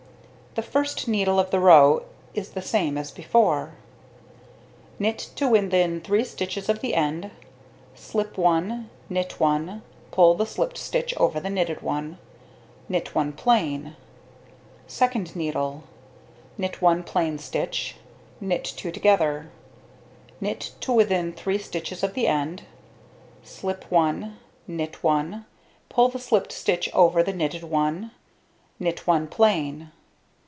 The first needle of the row is the same as before. Knit to within 3 stitches of the end, slip 1, knit 1, pull the slipped stitch over the knitted one, knit 1 plain. Second needle: knit 1 plain stitch, knit 2 together, knit to within 3 stitches of the end, slip 1, knit 1, pull the slipped stitch over the knitted one, knit 1 plain.